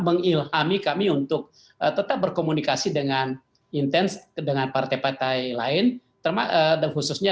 mengilhami kami untuk tetap berkomunikasi dengan intens dengan partai partai lain termasuk dan khususnya